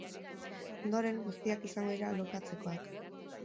Ondoren, guztiak izango dira alokatzekoak.